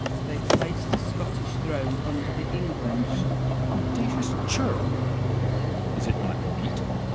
They placed the Scottish throne under the English. Edward. Audacious churl ! is it not meet ? Wallace.